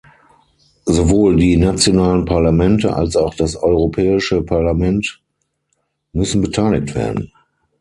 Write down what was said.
Sowohl die nationalen Parlamente als auch das Europäische Parlament müssen beteiligt werden.